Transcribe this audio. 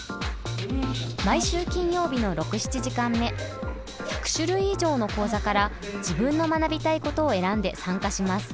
毎週金曜日の６・７時間目１００種類以上の講座から自分の学びたいことを選んで参加します。